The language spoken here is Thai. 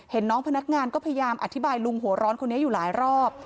น้องพนักงานก็พยายามอธิบายลุงหัวร้อนคนนี้อยู่หลายรอบ